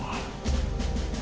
aku akan menghancurkannya